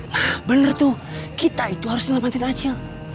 nah bener tuh kita itu harus melompatin acil